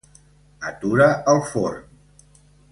Atura el forn.